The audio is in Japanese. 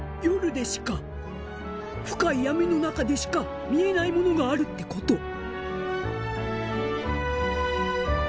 夜でしか深い闇の中でしか見えないものがあるってこと。